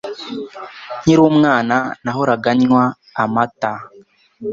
Nkiri umwana, nahoraga nywa amata.